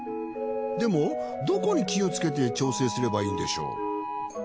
でもどこに気をつけて調整すればいいんでしょう？